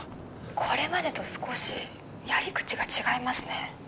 これまでと少しやり口が違いますね。